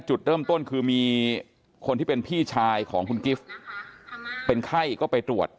จุดเริ่มต้นคือมีคนที่เป็นพี่ชายของคุณกิฟต์เป็นไข้ก็ไปตรวจ